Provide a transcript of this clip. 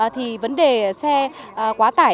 thì vấn đề xe quá tải